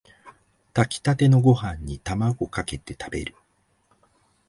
炊きたてのご飯にタマゴかけて食べる